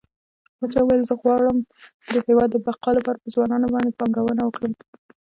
پاچا وويل غواړم د هيواد د بقا لپاره په ځوانانو باندې پانګونه وکړه.